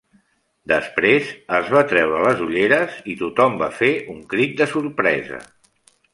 Després, es va treure les ulleres, i tothom va fer un crit de sorpresa.